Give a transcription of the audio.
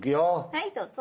はいどうぞ。